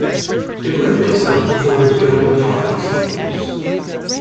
The group itself performs during the party sequence.